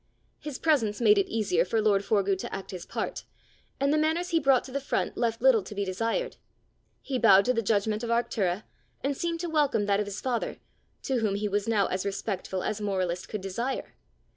His presence made it easier for lord Forgue to act his part, and the manners he brought to the front left little to be desired. He bowed to the judgment of Arctura, and seemed to welcome that of his father, to whom he was now as respectful as moralist could desire.